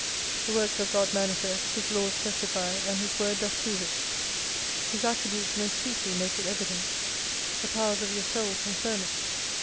The Works of God manifest, His laws testify, and His word doth prove it. His attributes most sweetly make it evident. The powers of your soul confirm it.